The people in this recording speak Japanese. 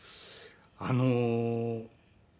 あの。